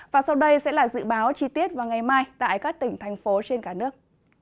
và sau đây sẽ là dự báo chi tiết vào ngày mai tại các tỉnh thành phố trên cả nước